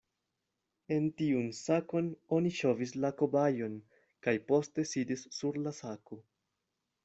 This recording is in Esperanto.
En tiun sakon oni ŝovis la kobajon, kaj poste sidis sur la sako.